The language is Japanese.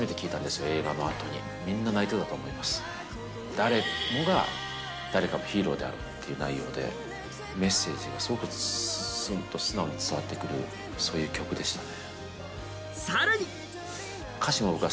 誰もが誰かのヒーローであるという内容で、メッセージがすごく素直に伝わってくる、そういう曲でしたね。